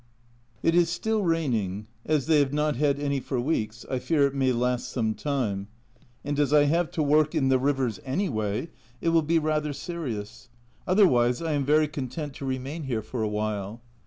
It is still raining ; as they have not had any for weeks, I fear it may last some time, and as I have to work in the rivers any way, it will be rather serious. Otherwise I am very content to remain here for a while.